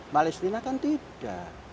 palestina kan tidak